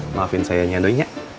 maafin sayangnya doi ya